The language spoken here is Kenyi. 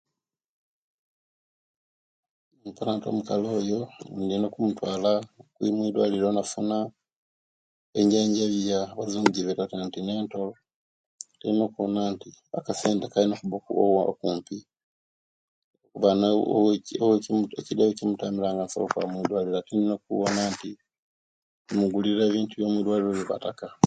Mponanti omukali oyo ndina okumutwala mwidwaliro nafuna enjanjabi ya abazungu ejebeta nti antinental ndino okuwona nti akasente kalina okuba okumpi kuba owee owee ekida no owekimutamira alina okwaba mwidwaliro ate ndina okuwona inti imugulira ebintu bye mwidwaliro byebataka